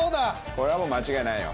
「これはもう間違いないよ」